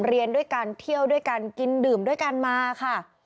เรียนด้วยกันเที่ยวด้วยกันกินดื่มด้วยกันมาค่ะ